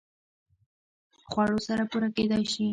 خوړو سره پوره کېدای شي